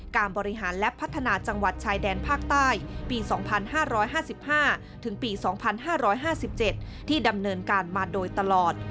การบริหารและพัฒนาจังหวัดชายแดนภาคใต้ปี๒๕๕๕ถึงปี๒๕๕๗ที่ดำเนินการมาโดยตลอด